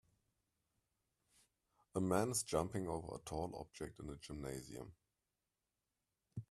A man is jumping over a tall object in a gymnasium.